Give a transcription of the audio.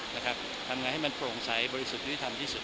ทำยังไงให้มันโผล่งใสบริสุทธิธรรมที่สุด